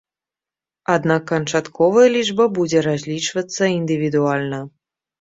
Аднак канчатковая лічба будзе разлічвацца індывідуальна.